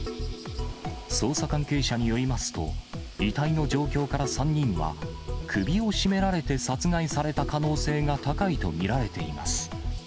捜査関係者によりますと、遺体の状況から３人は、首を絞められて殺害された可能性が高いと見られています。